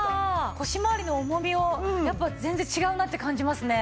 腰回りの重みをやっぱ全然違うなって感じますね。